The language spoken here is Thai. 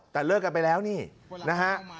แต่เลิกกันไปแล้วนี่นะฮะ